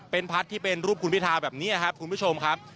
เป็นพัดที่เป็นรูปคุณพิทาแบบนี้ครับคุณผู้ชมครับ